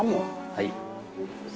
はい。